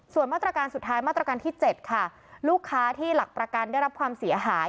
ส่วนมาตรการสุดท้ายมาตรการที่๗ค่ะลูกค้าที่หลักประกันได้รับความเสียหาย